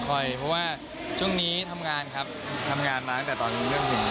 เพราะว่าช่วงนี้ทำงานครับทำงานมาตั้งแต่ตอนนี้เรื่องถึง